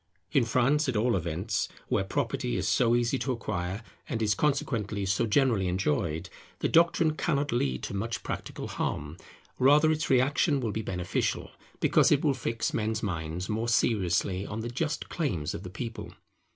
In France, at all events, where property is so easy to acquire and is consequently so generally enjoyed, the doctrine cannot lead to much practical harm; rather its reaction will be beneficial, because it will fix men's minds more seriously on the just claims of the People.